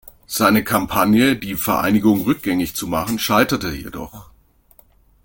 Seine Kampagne, die Vereinigung rückgängig zu machen, scheiterte jedoch.